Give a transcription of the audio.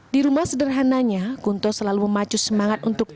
di rumah sederhananya kunto selalu memacu semangat untuk